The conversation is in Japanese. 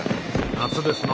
夏ですな。